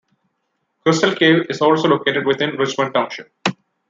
Crystal Cave is also located within Richmond Township.